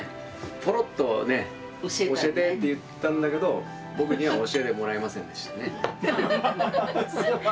ポロッとね教えてって言ったんだけど僕には教えてもらえませんでしたね。